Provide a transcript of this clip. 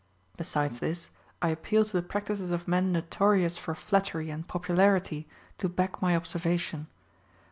Besides this. I appeal to the practices of men notorious for flatter) and popularity to back my observation.